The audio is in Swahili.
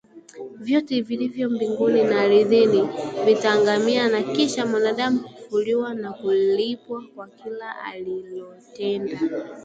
Vyote vilivyo mbinguni na ardhini vitaangamia na kisha mwanadamu kufufuliwa na kulipwa kwa kila alilotenda